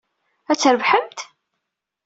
Ad trebḥemt?